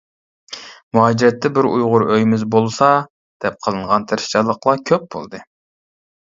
مۇھاجىرەتتە بىر ئۇيغۇر ئۆيىمىز بولسا دەپ قىلىنغان تىرىشچانلىقلار كۆپ بولدى.